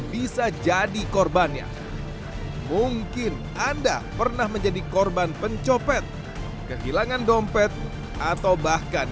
bisa jadi korbannya mungkin anda pernah menjadi korban pencopet kehilangan dompet atau bahkan